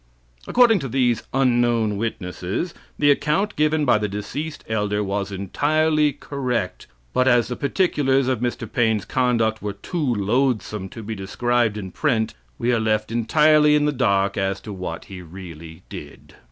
According to these unknown witnesses, the account given by the deceased elder was entirely correct. But as the particulars of Mr. Paine's conduct "were too loathsome to be described in print," we are left entirely in the dark as to what he really did.